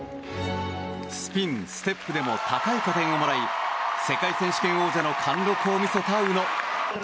スピン、ステップでも高い加点をもらい世界選手権王者の貫禄を見せた宇野。